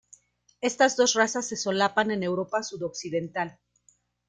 Estas dos razas se solapan en Europa sudoccidental.